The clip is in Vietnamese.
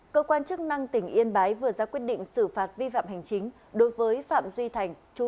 cơ quan chức năng tỉnh yên bái vừa ra quyết định xử phạt vi phạm hành chính đối với phạm duy thành